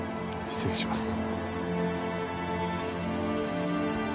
失礼します。